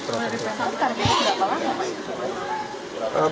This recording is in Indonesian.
pemerintah jakarta tidak terlalu banyak